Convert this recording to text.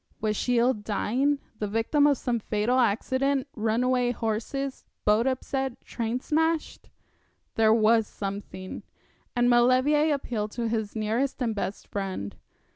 Was she ill dying, the victim of some fatal accident, runaway horses, boat upset, train smashed? There was something; and Maulevrier appealed to his nearest and best friend.